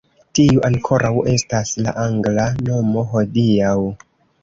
Tiu ankoraŭ estas la angla nomo hodiaŭ.